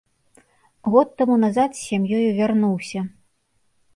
Год таму назад з сям'ёю вярнуўся.